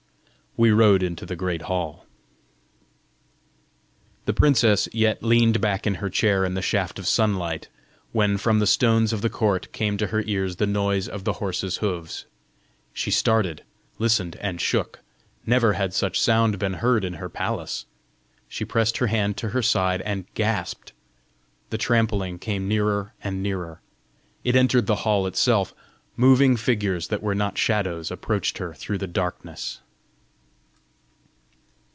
We rode into the great hall. The princess yet leaned back in her chair in the shaft of sunlight, when from the stones of the court came to her ears the noise of the horses' hoofs. She started, listened, and shook: never had such sound been heard in her palace! She pressed her hand to her side, and gasped. The trampling came nearer and nearer; it entered the hall itself; moving figures that were not shadows approached her through the darkness!